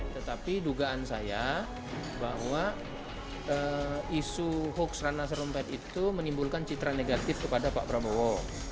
tetapi dugaan saya bahwa isu hoax rana sarumpait itu menimbulkan citra negatif kepada pak prabowo